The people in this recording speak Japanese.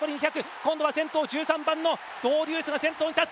今度は先頭１３番のドウデュースが先頭に立つ。